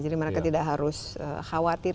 jadi mereka tidak harus khawatir